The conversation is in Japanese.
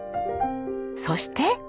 そして。